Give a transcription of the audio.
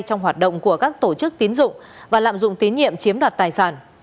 trong hoạt động của các tổ chức tín dụng và lạm dụng tín nhiệm chiếm đoạt tài sản